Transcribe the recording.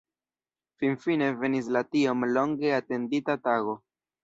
Finfine venis la tiom longe atendita tago.